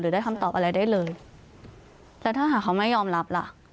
ได้คำตอบอะไรได้เลยแล้วถ้าหากเขาไม่ยอมรับล่ะ